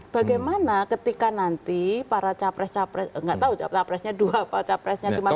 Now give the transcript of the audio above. bagaimana ketika nanti para capres capres nggak tahu capresnya dua apa capresnya cuma